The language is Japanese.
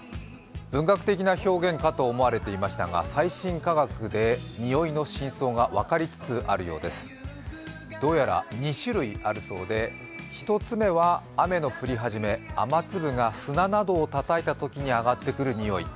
文学的な表現かと思われていましたが最新科学でにおいの真相が分かりつつあるようでどうやら２種類あるそうで、１つ目は雨の降り始め、雨粒が砂などをたたいたときに、上がってくるにおい。